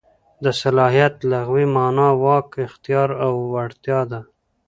د صلاحیت لغوي مانا واک، اختیار او وړتیا ده.